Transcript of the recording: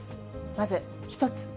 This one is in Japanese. まず１つ。